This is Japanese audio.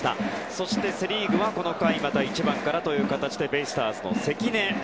そしてセ・リーグはこの回また１番からという形でベイスターズの関根。